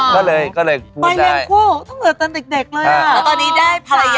อ๋อก็เลยพูดได้ไปแม่งพวกเหมือนกันเด็กเลยอ่ะ